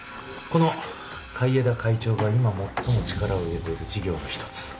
この海江田会長が今最も力を入れている事業の１つ。